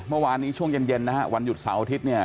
เมื่อวานนี้ช่วงเย็นเย็นนะฮะวันหยุดเสาร์อาทิตย์เนี่ย